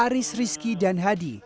aris rizki dan hadi